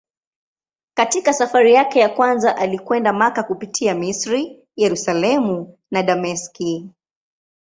Katika safari yake ya kwanza alikwenda Makka kupitia Misri, Yerusalemu na Dameski.